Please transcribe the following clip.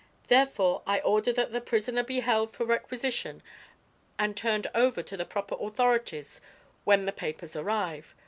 Therefore I order that the prisoner be held for requisition and turned over to the proper authorities when the papers arrive.